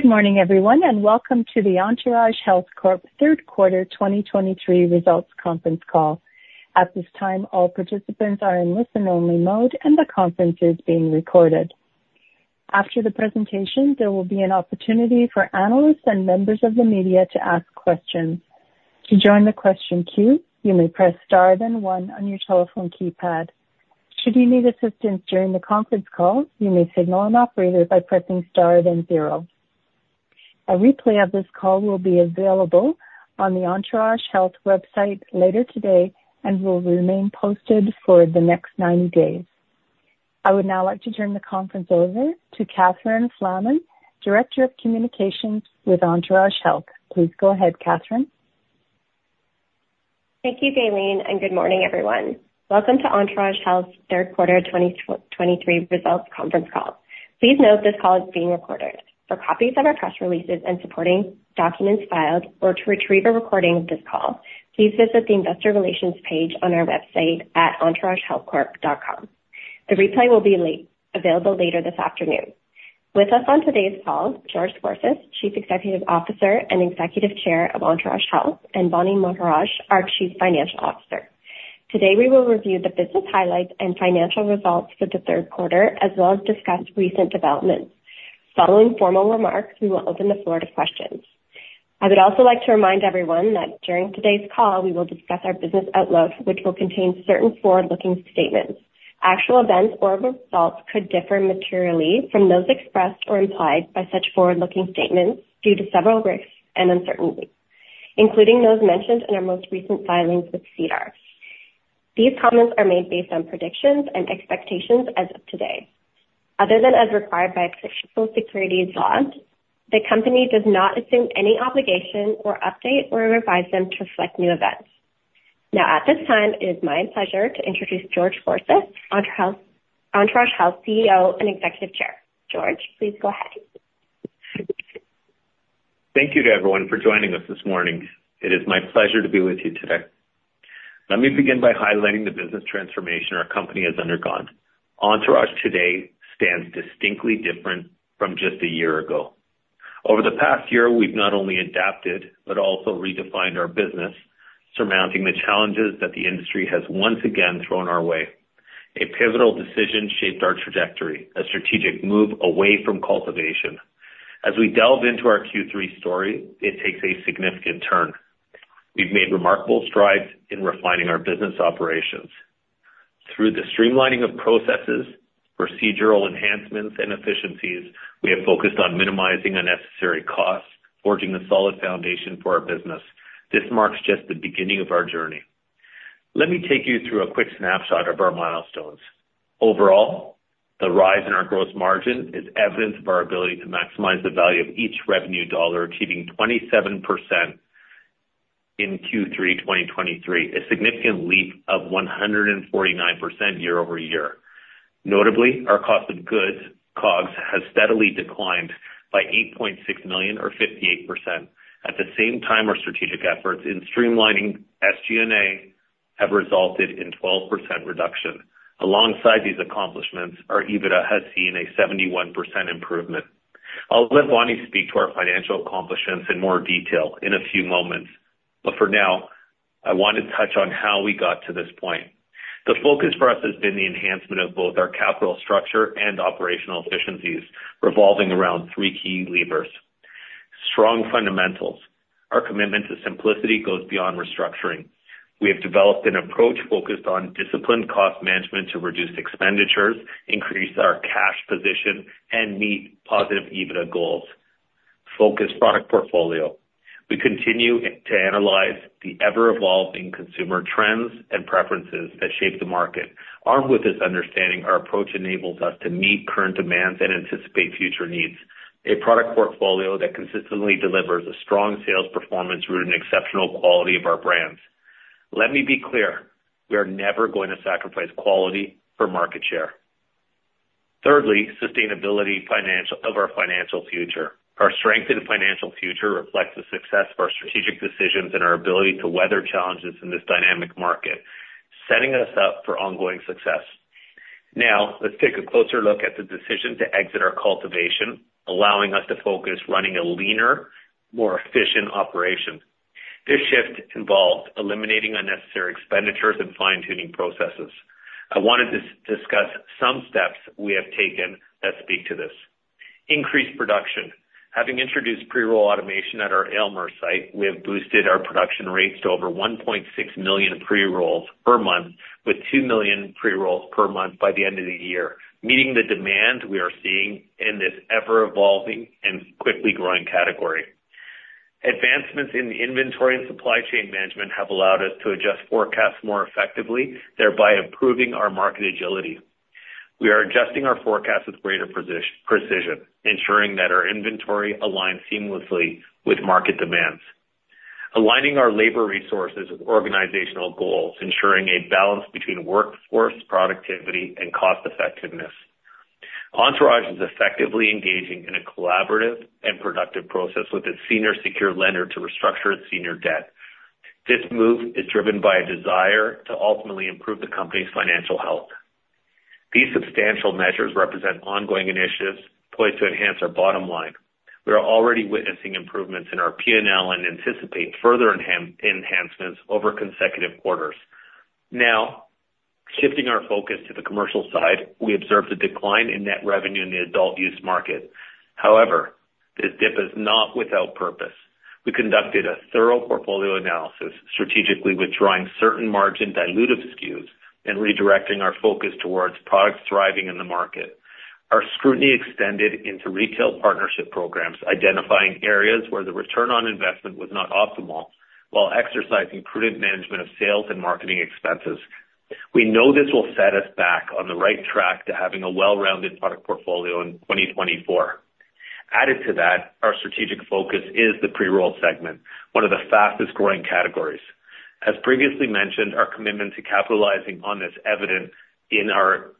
Good morning, everyone, and welcome to the Entourage Health Corp. third quarter 2023 results conference call. At this time, all participants are in listen-only mode, and the conference is being recorded. After the presentation, there will be an opportunity for analysts and members of the media to ask questions. To join the question queue, you may press star, then one on your telephone keypad. Should you need assistance during the conference call, you may signal an operator by pressing star, then zero. A replay of this call will be available on the Entourage Health website later today and will remain posted for the next 90 days. I would now like to turn the conference over to Catherine Flaman, Director of Communications with Entourage Health. Please go ahead, Catherine. Thank you, Eileen, and good morning, everyone. Welcome to Entourage Health's third quarter 2023 results conference call. Please note this call is being recorded. For copies of our press releases and supporting documents filed or to retrieve a recording of this call, please visit the Investor Relations page on our website at entouragehealthcorp.com. The replay will be available later this afternoon. With us on today's call, George Scorsis, Chief Executive Officer and Executive Chairman of Entourage Health, and Vaani Maharaj, our Chief Financial Officer. Today, we will review the business highlights and financial results for the third quarter, as well as discuss recent developments. Following formal remarks, we will open the floor to questions. I would also like to remind everyone that during today's call, we will discuss our business outlook, which will contain certain forward-looking statements. Actual events or results could differ materially from those expressed or implied by such forward-looking statements due to several risks and uncertainties, including those mentioned in our most recent filings with SEDAR+. These comments are made based on predictions and expectations as of today. Other than as required by existing securities laws, the company does not assume any obligation to update or revise them to reflect new events. Now, at this time, it is my pleasure to introduce George Scorsis, Entourage Health CEO and Executive Chairman. George, please go ahead. Thank you to everyone for joining us this morning. It is my pleasure to be with you today. Let me begin by highlighting the business transformation our company has undergone. Entourage today stands distinctly different from just a year ago. Over the past year, we've not only adapted but also redefined our business, surmounting the challenges that the industry has once again thrown our way. A pivotal decision shaped our trajectory, a strategic move away from cultivation. As we delve into our Q3 story, it takes a significant turn. We've made remarkable strides in refining our business operations. Through the streamlining of processes, procedural enhancements, and efficiencies, we have focused on minimizing unnecessary costs, forging a solid foundation for our business. This marks just the beginning of our journey. Let me take you through a quick snapshot of our milestones. Overall, the rise in our gross margin is evidence of our ability to maximize the value of each revenue dollar, achieving 27% in Q3 2023, a significant leap of 149% year-over-year. Notably, our cost of goods, COGS, has steadily declined by 8.6 million, or 58%. At the same time, our strategic efforts in streamlining SG&A have resulted in 12% reduction. Alongside these accomplishments, our EBITDA has seen a 71% improvement. I'll let Vaani speak to our financial accomplishments in more detail in a few moments, but for now, I want to touch on how we got to this point. The focus for us has been the enhancement of both our capital structure and operational efficiencies, revolving around three key levers. Strong fundamentals. Our commitment to simplicity goes beyond restructuring. We have developed an approach focused on disciplined cost management to reduce expenditures, increase our cash position, and meet positive EBITDA goals. Focused product portfolio. We continue to analyze the ever-evolving consumer trends and preferences that shape the market. Armed with this understanding, our approach enables us to meet current demands and anticipate future needs. A product portfolio that consistently delivers a strong sales performance rooted in exceptional quality of our brands. Let me be clear, we are never going to sacrifice quality for market share. Thirdly, sustainability of our financial future. Our strength in the financial future reflects the success of our strategic decisions and our ability to weather challenges in this dynamic market, setting us up for ongoing success. Now, let's take a closer look at the decision to exit our cultivation, allowing us to focus running a leaner, more efficient operation. This shift involved eliminating unnecessary expenditures and fine-tuning processes. I want to discuss some steps we have taken that speak to this. Increased production. Having introduced pre-roll automation at our Aylmer site, we have boosted our production rates to over 1.6 million pre-rolls per month, with 2 million pre-rolls per month by the end of the year, meeting the demand we are seeing in this ever-evolving and quickly growing category. Advancements in inventory and supply chain management have allowed us to adjust forecasts more effectively, thereby improving our market agility. We are adjusting our forecast with greater precision, ensuring that our inventory aligns seamlessly with market demands. Aligning our labor resources with organizational goals, ensuring a balance between workforce productivity and cost effectiveness. Entourage is effectively engaging in a collaborative and productive process with its senior secured lender to restructure its senior debt. This move is driven by a desire to ultimately improve the company's financial health. These substantial measures represent ongoing initiatives poised to enhance our bottom line. We are already witnessing improvements in our P&L and anticipate further enhancements over consecutive quarters. Now, shifting our focus to the commercial side, we observed a decline in net revenue in the adult-use market. However, this dip is not without purpose. We conducted a thorough portfolio analysis, strategically withdrawing certain margin-dilutive SKUs and redirecting our focus towards products thriving in the market. Our scrutiny extended into retail partnership programs, identifying areas where the return on investment was not optimal, while exercising prudent management of sales and marketing expenses. We know this will set us back on the right track to having a well-rounded product portfolio in 2024. Added to that, our strategic focus is the pre-roll segment, one of the fastest growing categories. As previously mentioned, our commitment to capitalizing on this is evident in our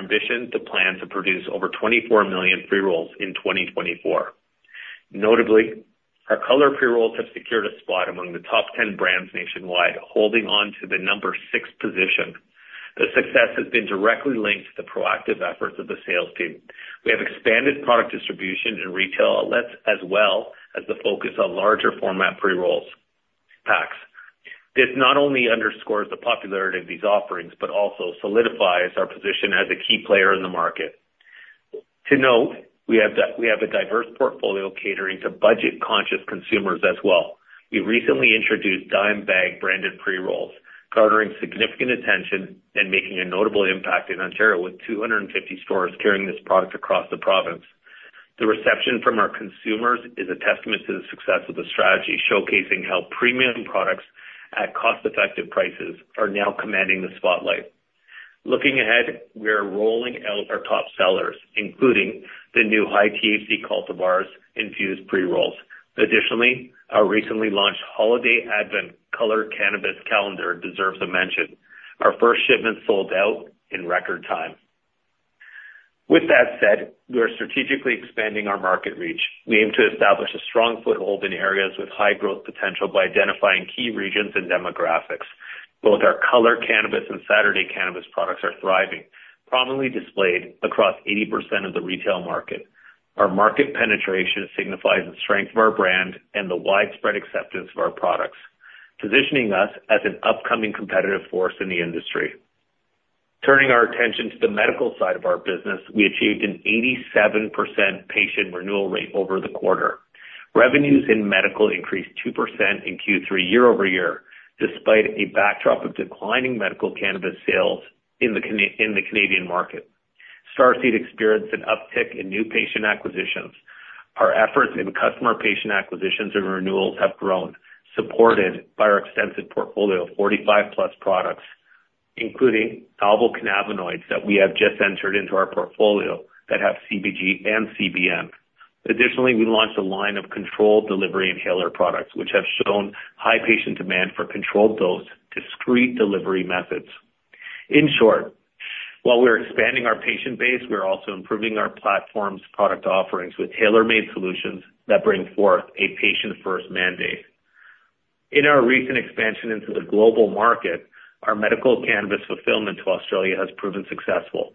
ambition to plan to produce over 24 million pre-rolls in 2024. Notably, our Color pre-rolls have secured a spot among the top 10 brands nationwide, holding on to the number six position. The success has been directly linked to the proactive efforts of the sales team. We have expanded product distribution in retail outlets, as well as the focus on larger format pre-rolls packs. This not only underscores the popularity of these offerings, but also solidifies our position as a key player in the market. To note, we have a diverse portfolio catering to budget-conscious consumers as well. We recently introduced Dime Bag branded pre-rolls, garnering significant attention and making a notable impact in Ontario, with 250 stores carrying this product across the province. The reception from our consumers is a testament to the success of the strategy, showcasing how premium products at cost-effective prices are now commanding the spotlight. Looking ahead, we are rolling out our top sellers, including the new high THC cultivars infused pre-rolls. Additionally, our recently launched holiday advent Color Cannabis calendar deserves a mention. Our first shipment sold out in record time. With that said, we are strategically expanding our market reach. We aim to establish a strong foothold in areas with high growth potential by identifying key regions and demographics. Both our Color Cannabis and Saturday Cannabis products are thriving, prominently displayed across 80% of the retail market. Our market penetration signifies the strength of our brand and the widespread acceptance of our products, positioning us as an upcoming competitive force in the industry. Turning our attention to the medical side of our business, we achieved an 87% patient renewal rate over the quarter. Revenues in medical increased 2% in Q3 year over year, despite a backdrop of declining medical cannabis sales in the Canadian market. Starseed experienced an uptick in new patient acquisitions. Our efforts in customer patient acquisitions and renewals have grown, supported by our extensive portfolio of 45+ products, including novel cannabinoids, that we have just entered into our portfolio that have CBG and CBN. Additionally, we launched a line of controlled delivery inhaler products, which have shown high patient demand for controlled dose, discrete delivery methods. In short, while we are expanding our patient base, we are also improving our platform's product offerings with tailor-made solutions that bring forth a patient-first mandate. In our recent expansion into the global market, our medical cannabis fulfillment to Australia has proven successful.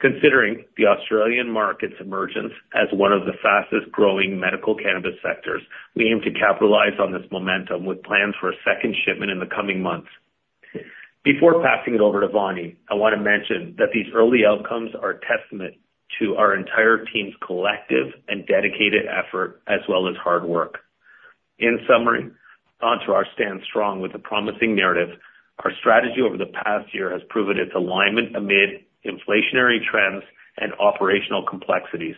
Considering the Australian market's emergence as one of the fastest growing medical cannabis sectors, we aim to capitalize on this momentum with plans for a second shipment in the coming months. Before passing it over to Vaani, I want to mention that these early outcomes are a testament to our entire team's collective and dedicated effort, as well as hard work. In summary, Entourage stands strong with a promising narrative. Our strategy over the past year has proven its alignment amid inflationary trends and operational complexities.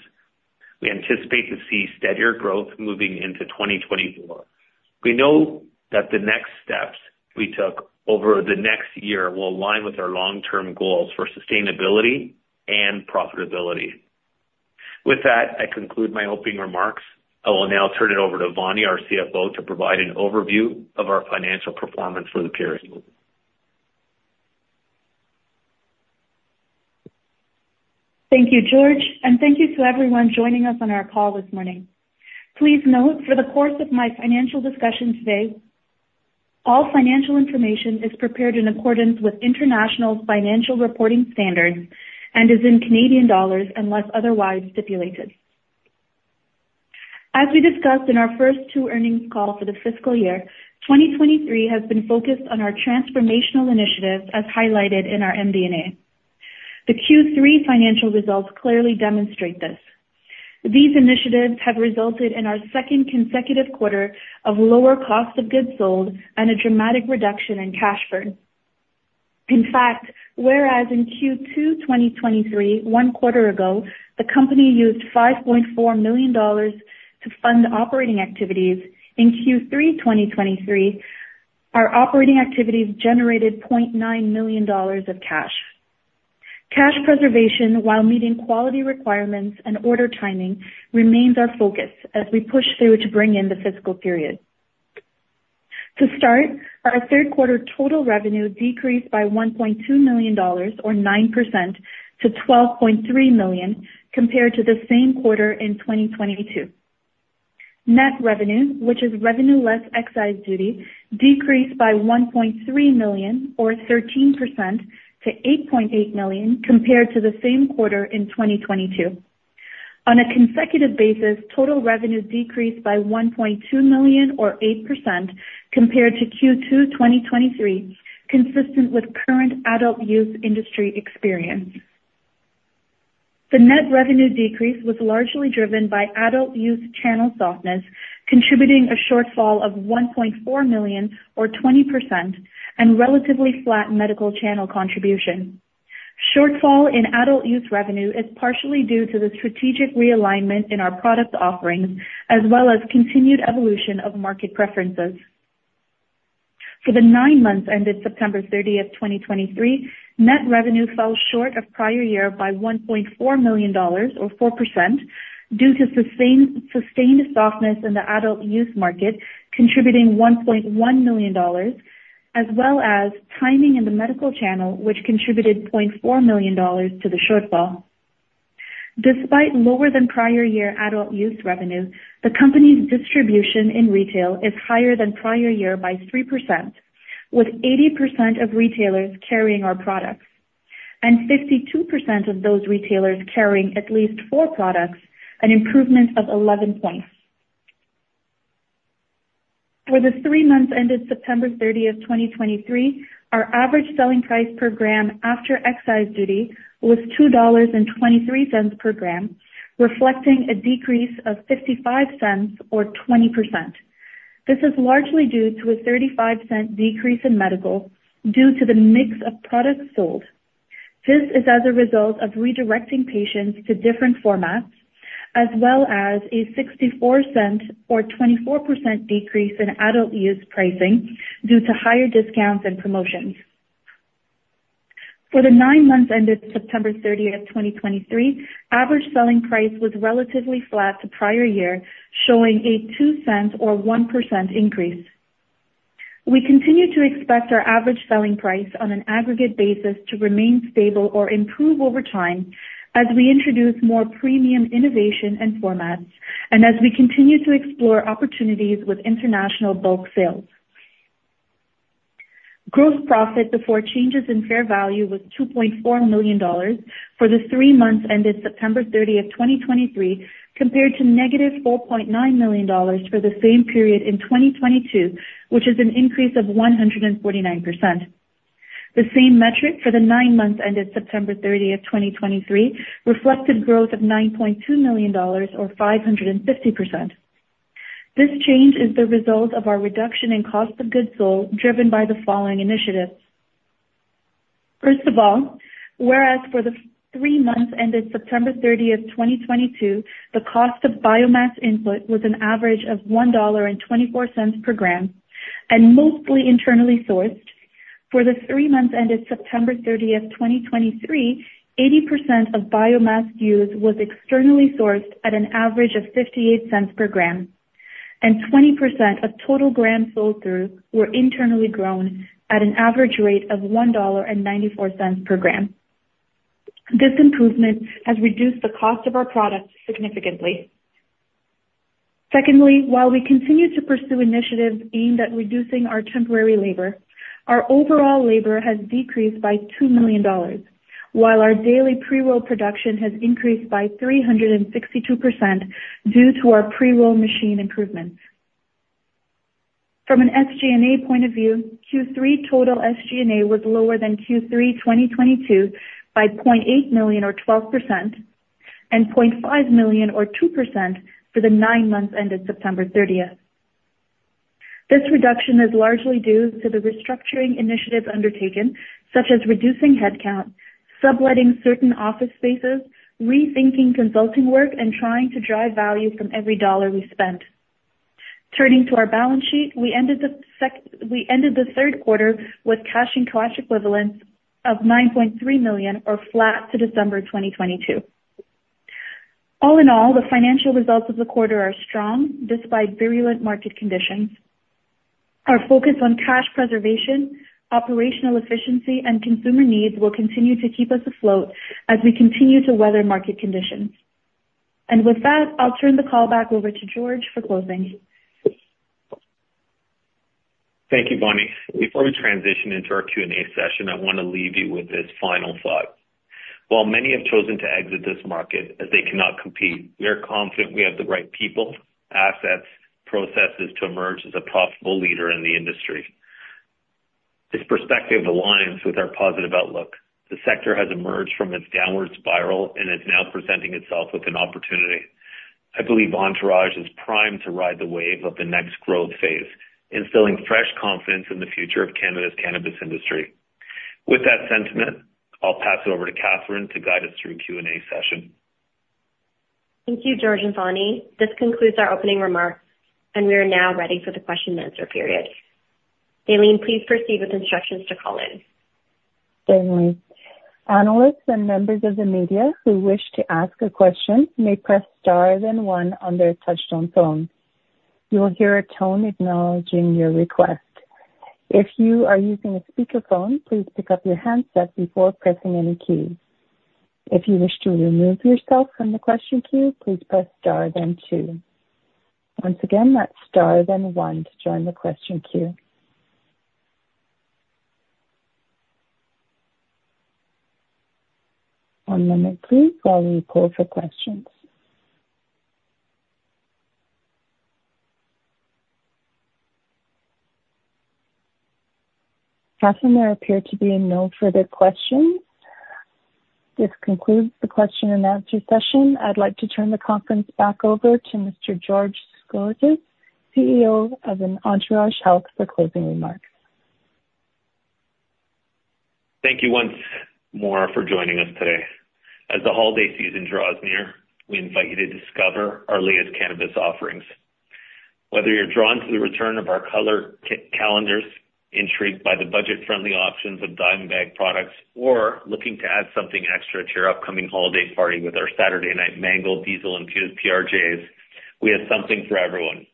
We anticipate to see steadier growth moving into 2024. We know that the next steps we took over the next year will align with our long-term goals for sustainability and profitability. With that, I conclude my opening remarks. I will now turn it over to Vaani, our CFO, to provide an overview of our financial performance for the period. Thank you, George, and thank you to everyone joining us on our call this morning. Please note for the course of my financial discussion today, all financial information is prepared in accordance with International Financial Reporting Standards and is in Canadian dollars unless otherwise stipulated. As we discussed in our first two earnings call for the fiscal year, 2023 has been focused on our transformational initiatives as highlighted in our MD&A. The Q3 financial results clearly demonstrate this. These initiatives have resulted in our second consecutive quarter of lower cost of goods sold and a dramatic reduction in cash burn. In fact, whereas in Q2 2023, one quarter ago, the company used 5.4 million dollars to fund operating activities, in Q3 2023, our operating activities generated 0.9 million dollars of cash. Cash preservation, while meeting quality requirements and order timing, remains our focus as we push through to bring in the fiscal period. To start, our third quarter total revenue decreased by 1.2 million dollars, or 9% to 12.3 million, compared to the same quarter in 2022. Net revenue, which is revenue less excise duty, decreased by 1.3 million or 13% to 8.8 million compared to the same quarter in 2022. On a consecutive basis, total revenue decreased by 1.2 million or 8% compared to Q2 2023, consistent with current adult-use industry experience. The net revenue decrease was largely driven by adult-use channel softness, contributing a shortfall of 1.4 million or 20% and relatively flat medical channel contribution. Shortfall in adult-use revenue is partially due to the strategic realignment in our product offerings as well as continued evolution of market preferences. For the nine months ended September 30th, 2023, net revenue fell short of prior year by 1.4 million dollars or 4% due to sustained softness in the adult-use market, contributing 1.1 million dollars, as well as timing in the medical channel, which contributed 0.4 million dollars to the shortfall. Despite lower than prior year adult-use revenue, the company's distribution in retail is higher than prior year by 3%, with 80% of retailers carrying our products and 52% of those retailers carrying at least four products, an improvement of 11 points. For the three months ended September 30th, 2023, our average selling price per gram after excise duty was 2.23 dollars per gram, reflecting a decrease of 0.55 or 20%. This is largely due to a 0.35 decrease in medical due to the mix of products sold. This is as a result of redirecting patients to different formats, as well as a 0.64 or 24% decrease in adult use pricing due to higher discounts and promotions. For the nine months ended September 30th, 2023, average selling price was relatively flat to prior year, showing a 0.02 or 1% increase. We continue to expect our average selling price on an aggregate basis to remain stable or improve over time as we introduce more premium innovation and formats and as we continue to explore opportunities with international bulk sales. Gross profit before changes in fair value was CAD 2.4 million for the three months ended September 30th, 2023, compared to -CAD 4.9 million for the same period in 2022, which is an increase of 149%. The same metric for the nine months ended September 30th, 2023, reflected growth of 9.2 million dollars or 550%. This change is the result of our reduction in cost of goods sold, driven by the following initiatives. First of all, whereas for the three months ended September 30th, 2022, the cost of biomass input was an average of 1.24 dollar per gram and mostly internally sourced. For the three months ended September 30th, 2023, 80% of biomass used was externally sourced at an average of 0.58 per gram, and 20% of total gram sold through were internally grown at an average rate of 1.94 dollar per gram. This improvement has reduced the cost of our products significantly. Secondly, while we continue to pursue initiatives aimed at reducing our temporary labor, our overall labor has decreased by 2 million dollars, while our daily pre-roll production has increased by 362% due to our pre-roll machine improvements. From an SG&A point of view, Q3 total SG&A was lower than Q3 2022 by 0.8 million or 12%, and 0.5 million or 2% for the nine months ended September 30th. This reduction is largely due to the restructuring initiatives undertaken, such as reducing headcount, subletting certain office spaces, rethinking consulting work, and trying to drive value from every dollar we spend. Turning to our balance sheet, we ended the third quarter with cash and cash equivalents of 9.3 million or flat to December 2022. All in all, the financial results of the quarter are strong despite virulent market conditions. Our focus on cash preservation, operational efficiency, and consumer needs will continue to keep us afloat as we continue to weather market conditions. And with that, I'll turn the call back over to George for closing. Thank you, Vaani. Before we transition into our Q&A session, I want to leave you with this final thought: While many have chosen to exit this market as they cannot compete, we are confident we have the right people, assets, processes to emerge as a profitable leader in the industry. This perspective aligns with our positive outlook. The sector has emerged from its downward spiral and is now presenting itself with an opportunity. I believe Entourage is primed to ride the wave of the next growth phase, instilling fresh confidence in the future of Canada's cannabis industry. With that sentiment, I'll pass it over to Catherine to guide us through Q&A session. Thank you, George and Vaani. This concludes our opening remarks, and we are now ready for the question and answer period. Eileen, please proceed with instructions to call in. Certainly. Analysts and members of the media who wish to ask a question may press star then one on their touchtone phone. You will hear a tone acknowledging your request. If you are using a speakerphone, please pick up your handset before pressing any keys. If you wish to remove yourself from the question queue, please press star then two. Once again, that's star then one to join the question queue. One moment, please, while we pull for questions. Catherine, there appear to be no further questions. This concludes the question and answer session. I'd like to turn the conference back over to Mr. George Scorsis, CEO of Entourage Health, for closing remarks. Thank you once more for joining us today. As the holiday season draws near, we invite you to discover our latest cannabis offerings. Whether you're drawn to the return of our Color Cannabis, intrigued by the budget-friendly options of Dime Bag products, or looking to add something extra to your upcoming holiday party with our Saturday Night Mango Diesel Infused PRJs, we have something for everyone.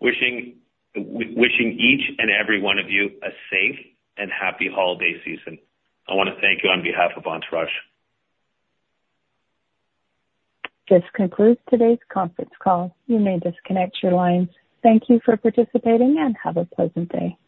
Wishing each and every one of you a safe and happy holiday season. I want to thank you on behalf of Entourage. This concludes today's conference call. You may disconnect your lines. Thank you for participating, and have a pleasant day.